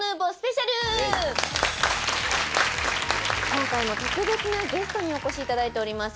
今回も特別なゲストにお越しいただいております